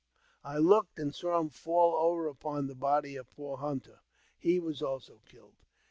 I looked and saw him fall over upon the body of poor Hunter ; he was also killed.